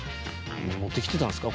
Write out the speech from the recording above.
持ってきてたんすか？